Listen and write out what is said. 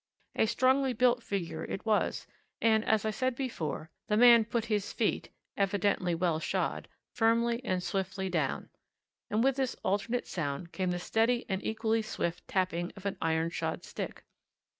A strongly built figure it was, and, as I said before, the man put his feet, evidently well shod, firmly and swiftly down, and with this alternate sound came the steady and equally swift tapping of an iron shod stick.